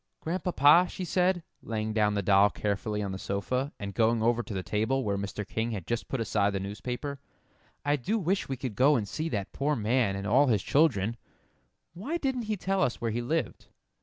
"Grandpapa," she said, laying down the doll carefully on the sofa, and going over to the table where Mr. King had just put aside the newspaper, "I do wish we could go and see that poor man and all his children why didn't he tell us where he lived?"